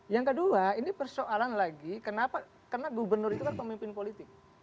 yang kedua ini persoalan lagi kenapa gobernur itu pemimpin politik